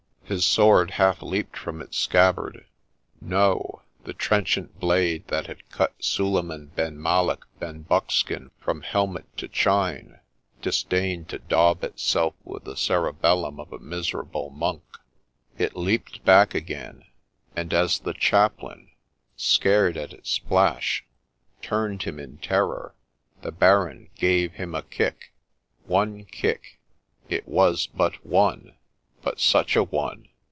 His sword half leaped from its scabbard. No !— the trench ant blade, that had cut Suleiman Ben Malek Ben Buckskin from helmet to chine, disdained to daub itself with the cere bellum of a miserable monk ;— it leaped back again ;— and aa 44 GREY DOLPHIN the Chaplain, scared at its flash, turned him in terror, the Baron gave him a kick !— one kick !— it was but one !— but such a one